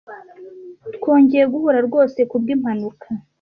Twongeye guhura rwose kubwimpanuka.